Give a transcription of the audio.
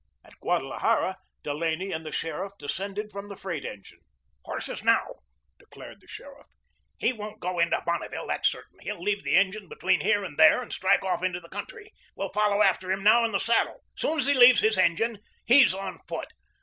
At Guadalajara, Delaney and the sheriff descended from the freight engine. "Horses now," declared the sheriff. "He won't go into Bonneville, that's certain. He'll leave the engine between here and there, and strike off into the country. We'll follow after him now in the saddle. Soon as he leaves his engine, HE'S on foot.